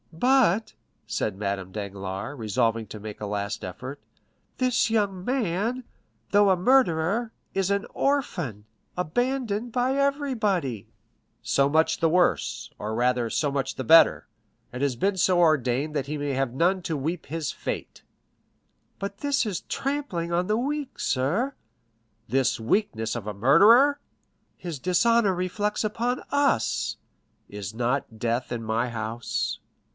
"But"' said Madame Danglars, resolving to make a last effort, "this young man, though a murderer, is an orphan, abandoned by everybody." "So much the worse, or rather, so much the better; it has been so ordained that he may have none to weep his fate." "But this is trampling on the weak, sir." "The weakness of a murderer!" "His dishonor reflects upon us." "Is not death in my house?"